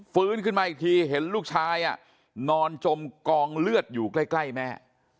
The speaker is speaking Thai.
ฟื้นขึ้นมาอีกทีเห็นลูกชายนอนจมกองเลือดอยู่ใกล้แม่